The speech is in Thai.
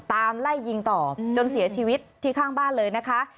ไล่ยิงต่อจนเสียชีวิตที่ข้างบ้านเลยนะคะ